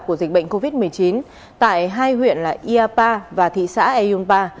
của dịch bệnh covid một mươi chín tại hai huyện là iapa và thị xã eyunpa